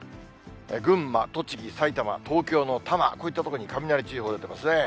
群馬、栃木、埼玉、東京の多摩、こういった所に雷注意報、出てますね。